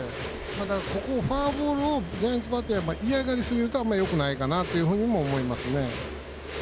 ただ、ここフォアボールをジャイアンツバッテリーは嫌がりすぎるとあんまりよくないかなと思います。